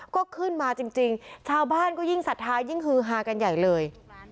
ก็ขึ้นมาจริงชาวบ้านก็ยิ่งศรัทธายิ่งฮือฮากันใหญ่เลย